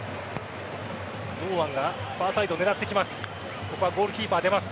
堂安がファーサイドを狙ってきます。